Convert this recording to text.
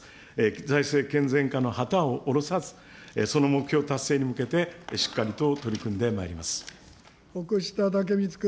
財政健全化の旗を下ろさず、その目標達成に向けて、しっかりと取奥下剛光君。